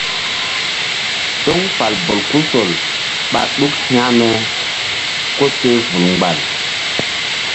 Toŋ fal bolkusol ɓá ɗuk hȩkme koseh vul mgbal.